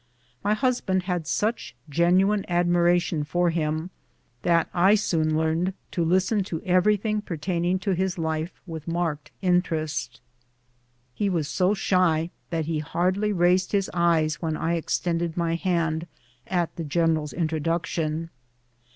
My husband had such genuine admiration for him that I soon learned to listen to everything pertain ing to his life with marked interest. He was so shy that he hardly raised his eyes when I extended my hand at CURIOUS CHARACTERS AND EXCURSIONISTS. 241 the general's iutroduction.